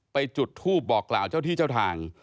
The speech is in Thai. ไปจุดทูพบอกเจ้าที่เจ้าทาง